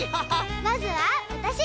まずはわたし！